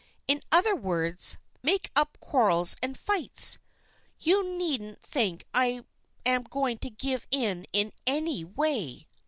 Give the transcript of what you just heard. In other words, make up quarrels and fights ! You needn't think I am going to give in in any way.